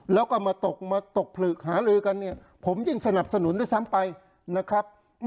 แล้วก็มาตกมาตกผลึกหาลือกันเนี่ยผมยิ่งสนับสนุนด้วยซ้ำไปนะครับ